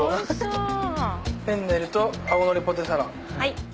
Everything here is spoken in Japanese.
フェンネルと青のりポテサラ。